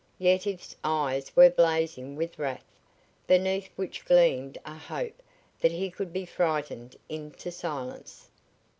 Yetive's eyes were blazing with wrath, beneath which gleamed a hope that he could be frightened into silence.